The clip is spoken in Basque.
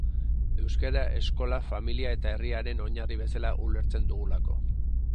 Euskara eskola, familia eta herriaren oinarri bezala ulertzen dugulako.